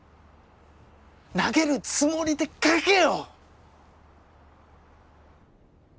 投げるつもりで書けよ！